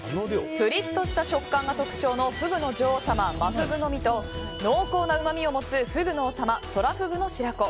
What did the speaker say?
プリッとした食感が特徴のフグの女王様、真フグの身と濃厚なうまみを持つフグの王様、トラフグの白子。